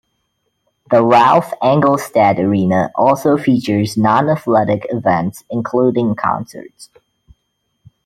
The Ralph Engelstad Arena also features non-athletic events including concerts.